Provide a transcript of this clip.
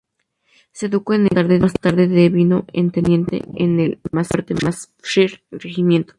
Se educó en Eton y más tarde devino en teniente en el Northamptonshire Regimiento.